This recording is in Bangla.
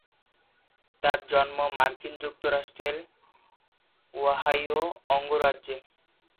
তার জন্ম মার্কিন যুক্তরাষ্ট্রের ওহাইও অঙ্গরাজ্যে।